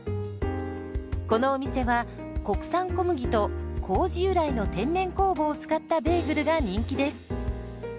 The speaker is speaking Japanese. このお店は国産小麦と麹由来の天然酵母を使ったベーグルが人気です。